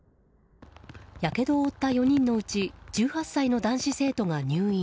やけどを負った４人のうち１８歳の男子生徒が入院。